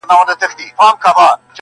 په سپين سر، کيمخا پر سر.